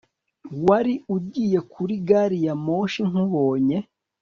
Wari ugiye kuri gari ya moshi nkubonye